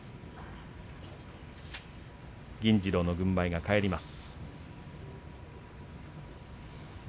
銀治郎の軍配が返ります。